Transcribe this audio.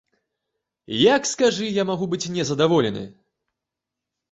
Як, скажы, я магу быць не задаволены?